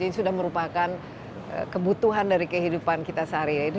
ini sudah merupakan kebutuhan dari kehidupan kita sehari hari